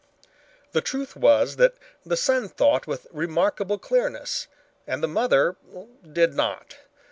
The truth was that the son thought with remarkable clearness and the mother did not.